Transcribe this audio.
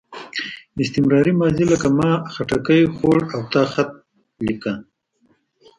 استمراري ماضي لکه ما خټکی خوړ او تا خط لیکه.